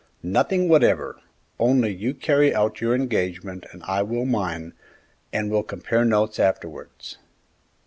"Nothing whatever; only you carry out your engagement and I will mine, and we'll compare notes afterwards."